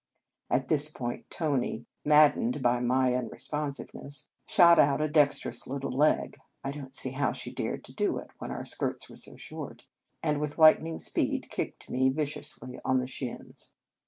At this point, Tony, maddened by my unresponsiveness, shot out a dex "5 In Our Convent Days terous little leg (I don t see how she dared to do it, when our skirts were so short), and, with lightning speed, kicked me viciously on the shins.